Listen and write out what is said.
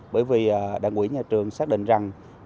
bởi vì đảng ủy nhà trường xác định rằng